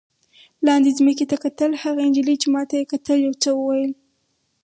لاندې ځمکې ته کتل، هغې نجلۍ چې ما ته یې کتل یو څه وویل.